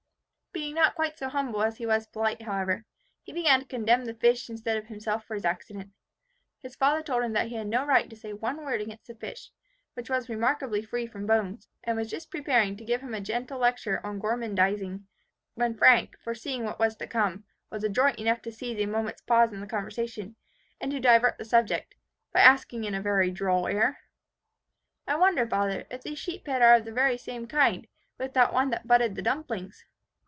Being not quite so humble as he was polite, however, he began to condemn the fish instead of himself for his accident. His father told him he had no right to say one word against the fish, which was remarkably free from bones, and was just preparing to give him a gentle lecture on gormandizing, when Frank, foreseeing what was to come, was adroit enough to seize a moment's pause in the conversation, and to divert the subject, by asking with a very droll air, "I wonder, father, if these sheephead are of the same kind with that one that butted the dumplings?"